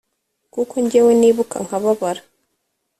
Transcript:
kuko jyewe nibuka nkababara